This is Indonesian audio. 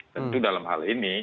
tentu dalam hal ini